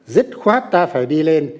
dứt khoát ta phải đi lên